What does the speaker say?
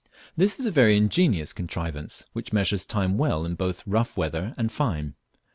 This is a very ingenious contrivance, which measures time well in both rough weather and fine.